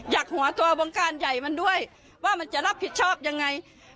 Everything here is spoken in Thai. อยากหัวตัววงการใหญ่มันด้วยว่ามันจะรับผิดชอบยังไง